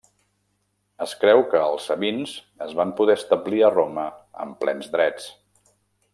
Es creu que els sabins es van poder establir a Roma amb plens drets.